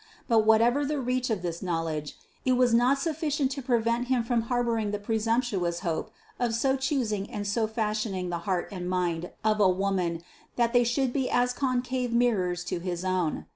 But whatever the reach of this knowledge, it was not sufficient to prevent him from harbouring the presumptuous hope of so choosing and so fashioning the heart and mind of a woman that they should be as concave mirrors to his own.